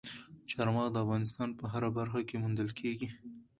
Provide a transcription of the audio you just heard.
چار مغز د افغانستان په هره برخه کې موندل کېږي.